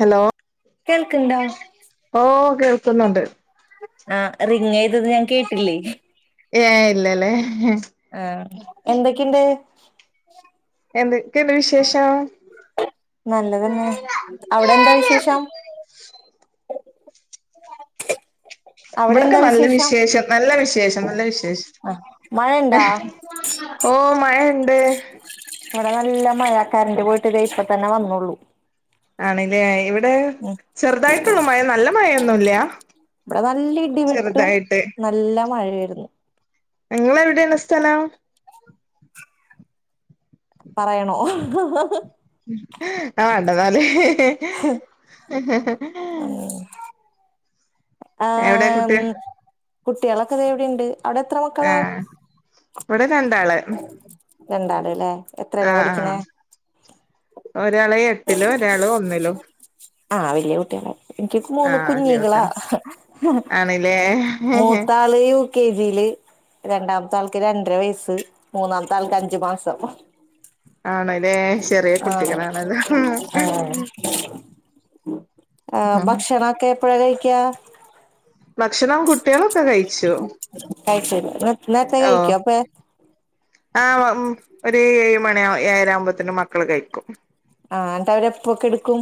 Hello കേൾക്ക്ണ്ടാ ഓഹ് കേൾക്കുന്നുണ്ട്. ആഹ് റിങ്ങയ്തത് ഞാൻ കേട്ടില്ലേ ഏഹ് ഇല്ലല്ലേ ആഹ് എന്തൊക്കെണ്ട് എന്തൊക്കെണ്ട് വിശേഷം നല്ലതന്നെ അവിടെ എന്താ വിശേഷം അവിടെ ഇവിടൊക്കെ എന്താ നല്ല വിശേഷം നല്ല വിശേഷം നല്ല വിശേഷം ആഹ് മഴണ്ടാ ഓഹ് മഴണ്ട് ഇവിടെ നല്ല മഴ കരന്റ് പോയിട്ട് ദേ ഇപ്പ തന്നെ വന്നള്ളൂ ആണ്ല്ലേ ഇവിടെ ഉം ചെറുതായിട്ടൊള്ളു മഴ നല്ല മഴൊന്നുല്ല. ഇബടെ നല്ല ഇടി വെട്ടും നല്ല മഴായിരുന്നു. നിങ്ങളെവിടെണ് സ്ഥലം പറയണോ ആഹ് വാണ്ടന്നാല് ഉം എവിടെ ആഹ് കുട്ടി കുട്ടികളൊക്കെ ഇത് ഇവിടെയുണ്ട്. ആഹ് ഇവടെ രണ്ടാള്. രണ്ടാള് ല്ലേ എത്രേലാ ആഹ് ആഹ് പഠിക്കണേ ആഹ് ഒരാള് എട്ടിലും ഒരാള് ഒന്നിലും. ആഹ് വലിയ കുട്ടികളാ എനിക്ക് ആ മൂന്ന് കുഞ്ഞികളാ ആണല്ലേ മൂത്താള് കെ ജിയില് രണ്ടാമത്തെ ആൾക്ക് രണ്ടര വയസ്സ് മൂന്നാമത്തെ ആൾക്ക് അഞ്ചു മാസം ആണല്ലേ ചെറിയ ആഹ് കുട്ടികളാണല്ലോ ആഹ് ആഹ് ഭക്ഷണൊക്കെ എപ്പഴ കഴിക്ക ഭക്ഷണം കുട്ടികളൊക്കെ കഴിച്ചു. കഴിച്ചു നേരത്തെ കഴിക്കോ അപ്പേ ആഹ് ഉം ഒരു ഏഴ് മണി ഏഴര ആകുമ്പത്തിനും മക്കള് കഴിക്കും. ആഹ് എന്നട്ട് അവരെപ്പൊ കെടുക്കും.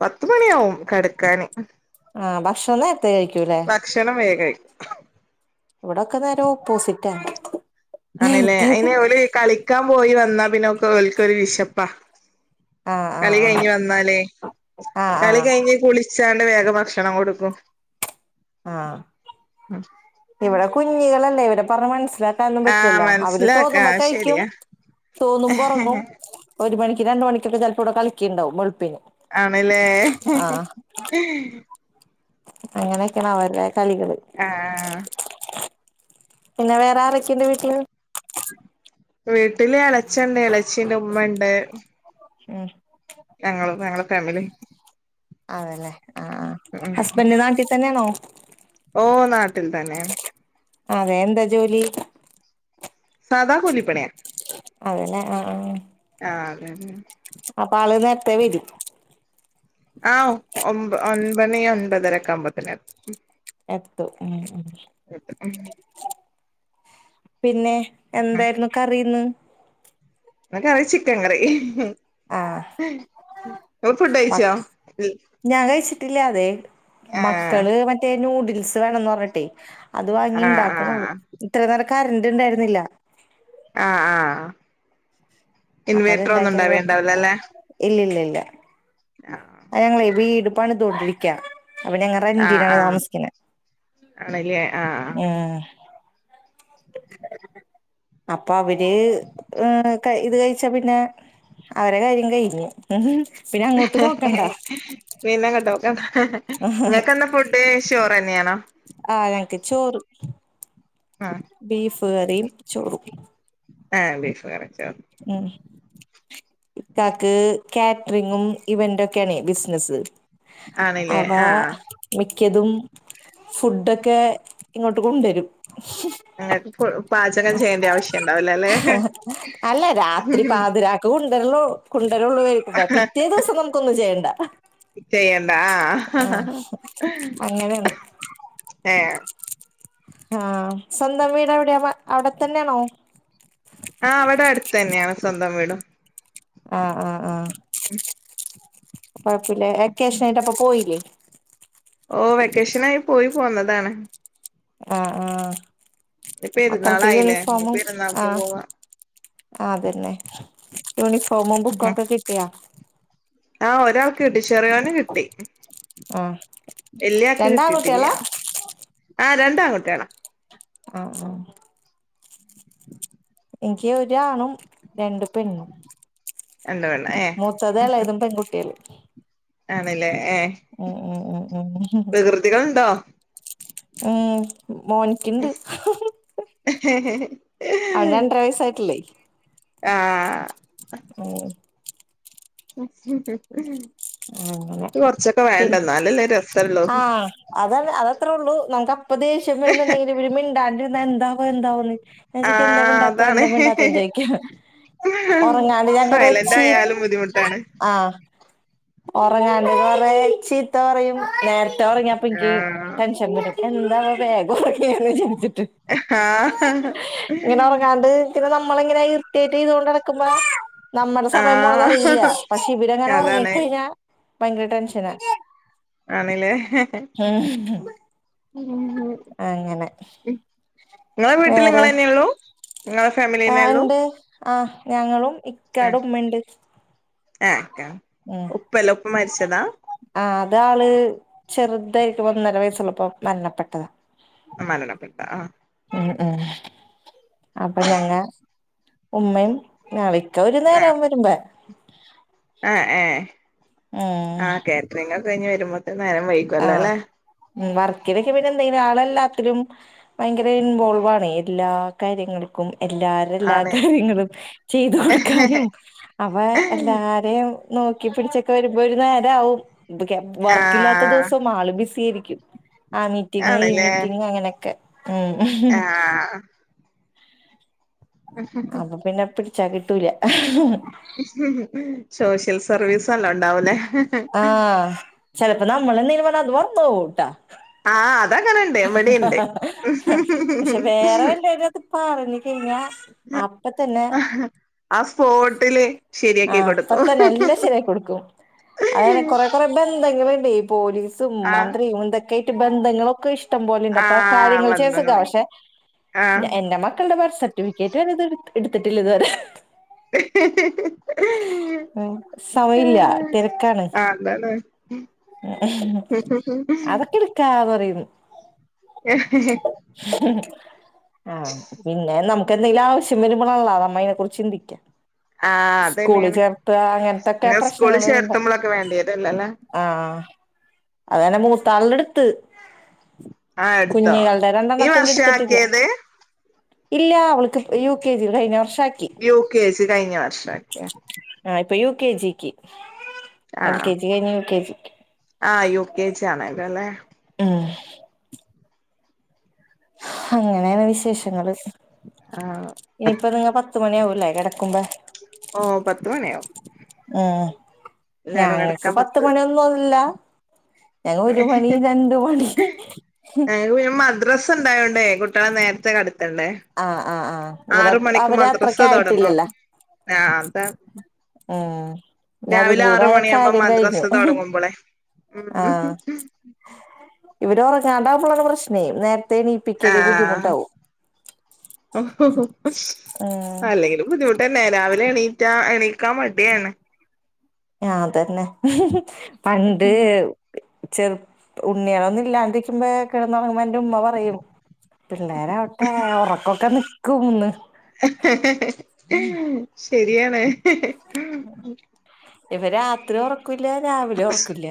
പത്ത് മണിയാവും കടക്കാന്. ആഹ് ഭക്ഷണം നേരത്തെ കഴിക്കൂല്ലേ. ഭക്ഷണം വേം കഴിക്കും. ഇവിടൊക്കെ നേരെ ഓപ്പോസിറ്റാ ആണ്ല്ലേ നേരത്തെ കഴി അയ്ന് ഓല് കളിക്കാൻ പോയി വന്നാ പിന്നൊക്കെ ഓൽക്കൊരു വിശപ്പാ ആഹ് ആഹ് കളി ആഹ് കഴിഞ്ഞ് വന്നാല് ആഹ് കളി ആഹ് കഴിഞ്ഞ് കുളി ച്ചാണ്ട് വേഗം ഭക്ഷണം കൊടുക്കും. ആഹ് ഇവിടെ കുഞ്ഞികളല്ലേ ഇവടെ പറഞ്ഞ മനസ്സില ലാക്കാൻ നൊന്നും ആ പറ്റില്ല അവര് മനസ്സിലാക്കാ തോന്നുമ്പോ അത് കഴിക്കും ശരിയാ തോന്നുമ്പോ ഒറങ്ങും ഒരു മണിക്ക് രണ്ട് മണിക്കൊക്കെ ചെലപ്പോ ഇവടെ കളിക്ക്ണണ്ടാവും വെളുപ്പിന് ആണ്ല്ലേ ആഹ് അങ്ങനെയൊക്കെയാണ് അവരെ കളികൾ. ആഹ് പിന്നെ വേറെ ആരൊക്കെണ്ട് വീട്ടില് വീട്ടില് ഇളച്ചണ്ട് ഇളച്ചിണ്ട് ഉമ്മണ്ട്. ഉം ഞങ്ങള് ഞങ്ങളെ ഫാമിലി അതല്ലെ ആഹ് ആഹ് ഉം ഹസ്ബൻഡ് നാട്ടി തന്നെയാണോ ഓ നാട്ടിൽ തന്നെ അതെ എന്താ ജോലി സാദാ കൂലി പണിയാ അതല്ലെ ആ ഹ്ആഹ് ആ അതെന്നെ അപ്പ ആള് നേരത്തെ വെരും ആഹ് ഒ ഒൻമ്പണി ഒൻപതരക്കമ്പത്തിന് എ എത്തും ഉം പിന്നെ എന്തായിരുന്നു കറി ഇന്ന് ഇന്ന് കറി ചിക്കൻ കറി ആഹ് ങ്ങള് ഫുഡ് മ കഴിച്ചോ ൽ ഞാൻ കഴിച്ചിട്ടില്ല അതെ മക്കള് മറ്റേ നൂഡിൽസ് വേണന്ന് പറഞ്ഞിട്ടെ അത് വാങ്ങി ആഹ് ഇണ്ടാക്ക്ണൊള്ളു ആഹ് ഇത്ര നേരം കറൻ്റ് ണ്ടായിരുന്നില്ല ആഹ് ആഹ് ഇൻവേർട്ടറന്നും ഉണ്ടാവേണ്ടാവില്ല ല്ലേ ഇല്ല ഇല്ലല്ല ഞങ്ങെളെ വീട് പണി തൊടരിക്ക അപ്പൊ ഞങ്ങ ആഹ് റെന്റീനാണ് ആഹ് താമസിക്ക്ണേ ആണല്ലേ ആഹ് ഉം അപ്പൊ അവര് ഹ് ഇത് കഴി ച്ച പിന്നെ അവരെ കാര്യം കഴിഞ്ഞ് പിന്നെ അങ്ങോട്ട് നോക്കണ്ടാ പിന്നെ അങ്ങാട്ടോക്കണ്ട നിങ്ങക്ക്ന്ത ഫുഡ് ചോർ തന്നെയാണോ ആ ഞനക്ക് ചോറ് ആഹ് ബീഫ് കറിയും ചോറും ആഹ് ബീഫ് കറിം ചോറും ഉം ഇക്കാക്ക് കാറ്ററിങ്ങും ഇവൻ്റെക്കെ ആണേ ബിസിനസ് ആണ്ല്ലേ അവാ ആഹ് മിക്കതും ഫുഡൊക്കെ ഇങ്ങോട്ട് കൊണ്ടുവരും ങ്ങക്ക് പാചകം ചെയ്യേണ്ട ആവശ്യുണ്ടാവല ല്ലേ അല്ല രാത്രി പാതിരാക്ക് കുണ്ടരലൂ കൊണ്ടരൊള്ളൂയ് പിറ്റേ ദിവസം നമുക്കൊന്നും ചെയ്യേണ്ട ചെയ്യണ്ടാ ആഹ് ഹ ഹ അങ്ങനെയാണ് ഹഏ ആഹ് സ്വന്തം വീട് എവിടെയാ അവിടെത്തന്നെണോ ആ അവിടെ അടുത്ത് തന്നെയാണ് സ്വന്തം വീടും ആഹ് ആഹ് ആഹ് കൊ ഴപ്പില്ല വെക്കേഷനൊക്കെയിട്ട് പോയില്ലേ ഓ വെക്കേഷനായി പോയി പോന്നതാണ് ആ ആഹ് ഇനി മക്കൾക്ക് പെരുന്നാളായില്ലേ ഇനി യൂണിഫോമും ആ പെരുന്നാൾക്ക് പോവാ ആ അതന്നെ യൂണിഫോമും ബുക്കൊക്കെ കിട്ടിയാ ആ ഒരാൾ കിട്ടി ചെറിയോൻ കി ട്ടി ആഹ് വല്ല്യ ആൾക്ക് കിട്ടിട്ടില്ല രണ്ടാൺകുട്ടികളാ ആ രണ്ടാ ആൺകുട്ടിയാള ആ ആ എനിക്ക് ഒരാണും രണ്ട് പെണ്ണും രണ്ട് പെണ്ണ് ഏ മൂത്തതും എലെതും പെൺകുട്ടിയാള് ആണല്ലേ ഏ ഉം ഉം ഉം ഉം വകൃതികളുണ്ടോ ഉം മോ ന്ക്ക്ണ്ട് അവന് രണ്ടര വയസായിട്ടില്ലേ ആഹ് ആഹ് അങ്ങനെ കൊറച്ചൊക്കെ വേണ്ട എന്നാലല്ലേ രസള്ളോ അത അത അത്രേ ഉള്ളു നമുക്ക് അപ്പ ദേഷ്യം വരുന്നുണ്ടെങ്കിൽ ഇര് മിണ്ടാണ്ടിരുന്ന എന്താവോ എന്താന്ന് ആ മ്മച്ചിക്ക് എന്താമിണ്ടാത്ത എന്താ മിണ്ടാത്ത അതാണ് ചോയിക്ക ഉറങ്ങാണ്ട് ഞാൻ സൈലന്റ് കുറച്ചീ ആയാലും ബുദ്ധിമുട്ടാണ് ആഹ് ഉറങ്ങാണ്ട വറെ ചീത്ത പറയും നേരത്തെ ഉറങ്ങിയപ്പ ഇക്ക് ആഹ് ടെൻഷൻ വരും എന്താണ വേഗം ഉറങ്ങിയത് ചിന്തിച്ചിട്ട് ആഹ് ഇങ്ങനെ ഉറങ്ങാണ്ട് പിന്നെ നമ്മള എങ്ങനെ ഇർട്ടേറ്റ് ചെയ്ത കൊണ്ട് നടക്കുമ്പോ നമ്മുടെ സമയം പോണതറിയില്ല ആഹ് പക്ഷ ഇവരങ്ങാൻ അതാണ് ഉറങ്ങിക്കഴിഞ്ഞാ ഭയങ്കര ടെൻഷനാ ആണ്ല്ലേ മ്മ്ഹ് അങ്ങനെ ഇങ്ങളെ വീട്ടില് വേറെ ഇങ്ങളെന്നെ ഒള്ളൂ ഇങ്ങളെ ഫാമിലിയെന്നെ ആഹ് ഒള്ളൂ ണ്ട് ആഹ് ഞങ്ങളും ഇക്കാട ഉമ്മ ഉണ്ട് ആഹ് ഉപ്പല്ല ഉപ്പ മരിച്ചതാ ആഹ് അത് ആള് ചെറുതായിരിക്കും ഒന്നര വയസ്സുള്ളപ്പോ മരണപ്പെട്ടതാ മരണപ്പെട്ട ഉം ഉം അപ്പൊ ഞങ്ങ ഉമ്മയും നാളിക്ക ഒരു നേരം വരുമ്പോ ഏഹ് ഏഹ് ഉം ആഹ് കാറ്ററിങ്ങക്കൊ കഴിഞ്ഞ് വരുമ്പോ- നേരം വൈക്കുവല്ലോ ആഹ് അല്ലെ ഉം വർക്കയിലൊക്കെ പിന്നെ എന്തെങ്കിലും ആളെല്ലാത്തിലും ഭയങ്കര ഇൻവോൾവ് ആണ് എല്ലാ കാര്യങ്ങൾക്കും എല്ലാർ എല്ലാം ആണ് കാര്യങ്ങളും ചെയ്ത് കൊടുക്കാനും അപ്പോ എല്ലാ നോക്കി പിടിച്ചൊക്കെ വരുമ്പോ ഒരുനേരാവും പ്പോ ക്യാ വർക്കില്ലാത്ത ആഹ് ദിവസം ആള് ബിസി ആയിരിക്കും ആഹ് മീറ്റിംഗ ഈ ആണ്ല്ലേ മീറ്റിംഗ അങ്ങനെയൊക്കെ ഉം ആഹ് അപ്പൊ പിന്നെ പിടിച്ചാ കിട്ടൂല സോഷ്യൽ സർവീസല്ലാം ഉണ്ടാവൂല്ലേ ആഹ് ചെലപ്പോ നമ്മള ന്ത്യൽ പറഞ്ഞാൽ അത് മർന്നോവുട്ടോ ആഹ് അതെങ്ങനെണ്ട് പക്ഷെ വേറെ വല്ലത് പറഞ് കഴിഞ്ഞാൽ ആ സ്ഫോട്ടില് ആഹ് അപ്പത്തെ എല്ലാം ശരിയാക്കി കൊടുക്കും അതന്നെ കൊറെ കുറെ ബന്ധങ്ങളുണ്ട് ഈ പോലീസും ആ മന്ത്രിയും എന്തൊക്കെയ ആയിട്ട് ബന്ധങ്ങളൊക്കെ ഇഷ് ഷ്ടം ആ പോലെണ്ടപ്പ കാര്യങ്ങൾ ചെയ്യാൻ വന്ന് സുഖ പോയി പക്ഷെ ആ എന്റെ മക്കളുടെ ബർസറ്റ് കേറ്റ് ഇത് എടുത്തിട്ടില്ല. ഇതുവരെ ഹഹഹ സമയല്ല തിരക്കാണ്. [unintelligible] ഉം അതൊക്കെ എടുക്കാ പറയും. ഹഹഹാ ഉം ആഹ് പിന്നെ നമുക്ക് എന്തെങ്കിലും ആവശ്യം വരുമ്പോഴള്ള അത അമ്മ അയ്നെ കുറിച്ച് ചിന്തിക്കാം ആഹ് അത് തന്നെയാണ് അങ്ങനത്തൊക്കെ നിങ്ങ സ്കൂളിൽ പ്രശ്നങ്ങൾ വരുമ്പോ ചേർത്തുമ്പോഴൊക്കെ വേണ്ടിയതെല്ലല്ലേ? ആഹ് അതന്നെ മൂത്താാലുടെ എടുത്ത് ആ എടുത്തോ കുഞ്ഞികളുടെ ഈ രണ്ടെണ്ണത്തിന്റെ വർഷം എടുത്തിട്ടില്ല. ആക്കിയത് ഇല്ല അവക്ക് യു കെ ജിയുടെ കഴിഞ്ഞ വർഷം ആക്ക യൂ കേ ജി കഴിഞ്ഞ വർഷാക്കി. ആ ഇപ്പോൾ യു കെ ജിക്ക് എൽ കെ ജി കഴിഞ്ഞ് യു കെ ജി ആഹ് യു കെ ജി ആണല്ലല്ലേ ഉം അങ്ങനെയാണ് വിശേഷങ്ങൾ ആഹ് ഇനിയിപ്പ നിങ്ങ പത്ത് മണിയാവൂല്ലേ കിടക്കുമ്പ? ഓഹ് പത്ത് മണിയാകും. ഉം ഞങ്ങൾക്ക് പത്ത് മണിയൊന്നില്ല. ഞങ്ങൾക്ക് പിന്നെ മദ്രസ് ഉണ്ടായോണ്ടേ കുട്ടികളെ നേരത്തെ കിടത്തണ്ടേ? ആഹ് ആഹ് ആഹ് ഇവിടെ അവര് അത്രക്ക്‌ ആയിട്ടില്ലല്ലോ ആഹ് അതാണ്. ഉം ഇനി അതും രാവിലെ ആർ കൂടായ മണിയാവുമ്പോ കാര്യം മദ്രസ തുടങ്ങുമ്പോളെ ആ ഉം ഇവിടെ ഉറങ്ങാണ്ടകുമ്പോഴാ പ്രശ്നേ നേരത്തെ എണീപ്പിക്കല് ആഹ് ബുദ്ധിമുട്ടാവും. ഉം അല്ലെങ്കിലും ബുദ്ധിമുട്ട തന്നെ രാവിലെ എണീറ്റാ എണീക്കാൻ മടിയാണ്. അതന്നെ പണ്ട് ചെറുപ്പ ഉണ്ണിയാണൊന്നും ഇല്ലാണ്ടിരിക്കുമ്പോ കിടന്നുറങ്ങുമ്പോ എന്റെ ഉമ്മ പറയും പിള്ളേരാവട്ടെ ഉറക്കൊക്കെ നിക്കുന്ന്. ശരിയാണ്. ഇപ്പ രാത്രി ഉറക്കില്ല രാവിലെ ഉറക്കില്ല.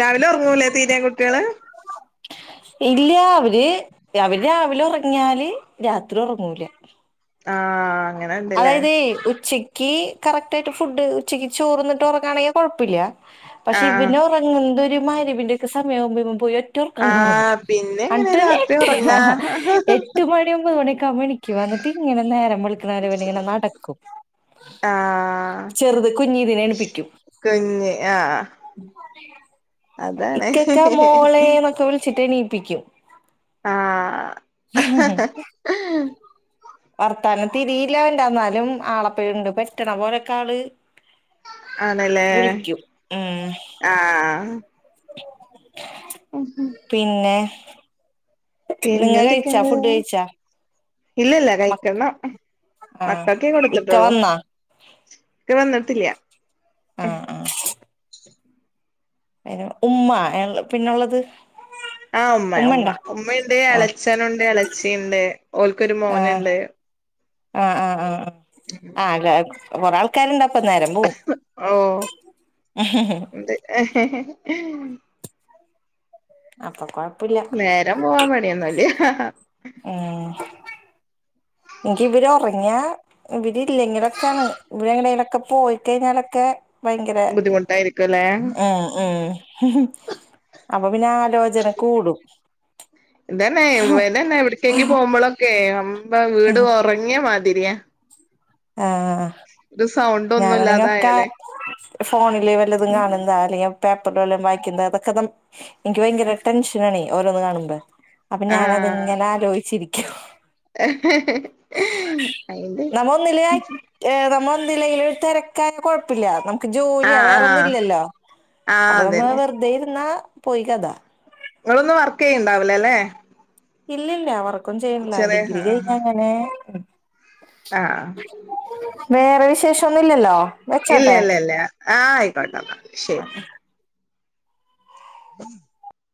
രാവിലെ ഉറങ്ങൂലേ തീരേ കുട്ടികള് ഇല്ല അവര് അവര് രാവിലെ ഉറങ്ങിയാല് രാത്രി ഉറങ്ങൂല. ആഹ് അങ്ങനെ ഉണ്ടല്ലേ അതായതെ ഉച്ചയ്ക്ക് കറക്റ്റ് ആയിട്ട് ഫുഡ് ഉച്ചക്ക് ചോർന്നിട്ട് ഉറങ്ങാണെങ്കിൽ കൊഴപ്പമില്ല. പക്ഷെ ഇവൻ ആഹ് പിന്നെ ഉറങ്ങുന്നൊരു മഗ്‌രിബിന്റെയൊക്കെ സമയാകുമ്പോ പോയി ഒറ്റ ഉറക്കങ്ങ് ഉറങ്ങും. ആഹ് പിന്നെ എങ്ങനെ അങ്ങനെ രാത്രി ഉറങ്ങാ എട്ട് മണി ഒമ്പത് മണിക്കോ ആകുമ്പോ എണീക്കും ഇങ്ങനെ നേരം വെളുക്കാൻ. ഇങ്ങനെ നടക്കും. ആഹ് ചെറുത് കുഞ്ഞതിനെ എണീപ്പിക്കും. കുഞ്ഞ് ആഹ് അതാണ് ഇക്കൊക്ക മോളേ എന്നൊക്കെ വിളിച്ചിട്ട് എണീപ്പിക്കും. ആഹ് വർത്താനം? തിരിയില്ല ഉണ്ടന്നാലും ആളപ്പുണ്ട് പെറ്റണ പോലേക്കെ ആള് ആണല്ലേ വിളിക്കും ഉം ആഹ് ഉം ഉം പിന്നെ നിങ്ങ പിന്നെ കഴിച്ചാ എന്തൊക്കെയണ്ട് ഫുഡ് കഴിച്ചാ ഇല്ലല്ല മക്ക കഴിക്കണം. ആഹ് മക്കളക്കെ ഇക്ക കൊടുത്തിട്ടോള്ളൂ വന്നാ ഇക്ക വന്നിട്ടില്ല. ആഹ് ആഹ് അയ്ൻ ഉമ്മ [unintelligible] പിന്നുള്ളത് ആഹ് ഉമ്മ ഉമ്മ ഉമ്മണ്ടാ ഉമ്മയുണ്ട് ആഹ് ഇളെച്ചനുണ്ട് ഇളച്ചിണ്ട് ഓല്ക്കൊരു ആഹ് മോന്ണ്ട്. ആഹ് ആഹ് ആഹ് ആഹ് അല്ലാ കൊറെ ആൾക്കാര്ണ്ടപ്പം നേരം പോവും. ഓഹ് ഇണ്ട് അപ്പൊ കൊഴപ്പല്ല നേരം പോവാൻ പണിയോന്നുല്ല. ഉം എനിക്കിവരൊർങ്ങ്യാ ഇവരില്ലെങ്കിലൊക്കെണ് ഇവരെ ങ്ങടെലൊക്കെ പോയിക്കഴിഞ്ഞാലെക്കെ ഭയങ്കര ബുദ്ധിമുട്ടായിരിക്കുംല്ലേ ഉം ഉം അപ്പൊ പിന്നെ ആ ഇതെന്നെ ഇവതെന്നെ എവ്ട്ക്കെങ്കി പോവുമ്പളൊ ക്കെ [unintelligible] വീട് ഓർങ്ങ്യെ മാതിര്യാ. ആഹ് സൗണ്ട് ഒന്നും ഞാനാണെങ്കി ഒക്ക ഇല്ലാതായാല് ഫോണില് വല്ലതും കാണുന്നതാ അല്ലെങ്കി പേപ്പറിൽ വല്ലോം വായിക്കുന്നത അതൊക്കെതൻ ഇൻക്ക് ഭയങ്കര ടെൻഷനാണെ ഓരോന്ന് കാണുമ്പോ അപ്പൊ ആഹ് ഞാനത്ങ്ങനെ ആലോയ്ച്ചിരിക്കും. അയിന്റെ [unintelligible] ഏഹ് നമ്മളെന്തെങ്കിലൊരു തെരക്കാണെങ്കില് കൊഴപ്പല്ല. ക്ക് ജോലി ആഹ് ആഹ് വേറൊന്നുല്ലല്ലോ ആഹ് അപ്പൊ ന്നു അതന്നെ വെർതെ ഇര്ന്നാ പോയി കഥ. ഇങ്ങളൊന്നും വർക്കെയ്ണ്ടാവൂല്ല ല്ലേ ഇല്ലല്ല വർക്കൊന്നൂം ചെയ്യണില്ല ചെറിയ ഡിഗ്രി കഴിഞ്ഞങ്ങനെ ആഹ് ആഹ് വേറെ വിശേഷൊന്നുല്ലല്ലോ? ഇല്ല ല്ല ല്ല ആഹ് ആയ്ക്കോട്ടന്ന ശെരി. ഉം [inaudible]